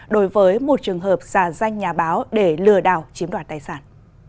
đối với một trường hợp xà danh nhà báo để lừa đào chiếm đoạt tài sản